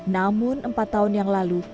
namun empat tahun yang lalu